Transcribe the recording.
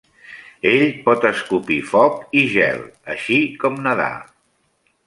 Ell pot escopir foc i gel, així com nedar.